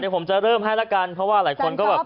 ผมจะเริ่มให้ละกันเพราะว่าหลายคนก็แบบ